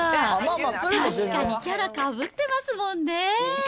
確かにキャラかぶってますもんねぇー。